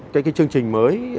cái chương trình mới